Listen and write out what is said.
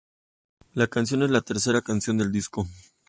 La canción es la tercera canción del disco.